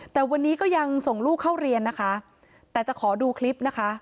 แต่วันนี้ก็ยังส่งลูกเข้าเรียนนะคะแต่จะขอดูคลิปนะคะ